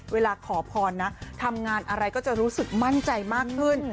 เวลาขอพรนะทำงานอะไรก็จะรู้สึกมั่นใจมากขึ้น